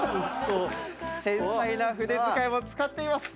繊細な筆遣いも使っています。